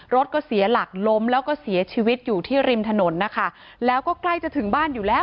รถก็เสียหลักล้มแล้วก็เสียชีวิตอยู่ที่ริมถนนนะคะแล้วก็ใกล้จะถึงบ้านอยู่แล้ว